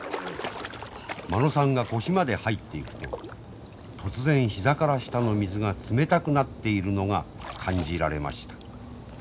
間野さんが腰まで入っていくと突然膝から下の水が冷たくなっているのが感じられました。